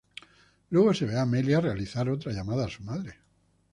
Luego se ve a Amelia realizar otra llamada a su madre.